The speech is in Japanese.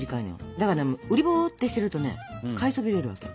だからうりぼってしてるとね買いそびれるわけよ。